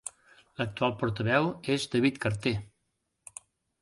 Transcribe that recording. L'actual portaveu és David Carter.